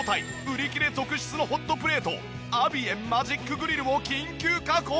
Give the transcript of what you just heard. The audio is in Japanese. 売り切れ続出のホットプレートアビエンマジックグリルを緊急確保！